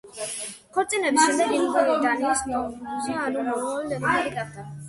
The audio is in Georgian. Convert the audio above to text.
ქორწინების შემდეგ, ინგრიდი დანიის კრონპრინცესა, ანუ მომავალი დედოფალი გახდა.